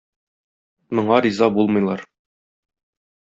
Моңа риза булмыйлар.